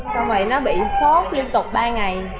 xong rồi nó bị sốt liên tục ba ngày